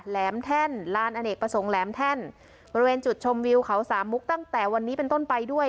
แหลมแท่นลานอเนกประสงค์แหลมแท่นบริเวณจุดชมวิวเขาสามมุกตั้งแต่วันนี้เป็นต้นไปด้วย